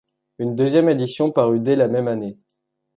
Une deuxième édition parut dès la même année.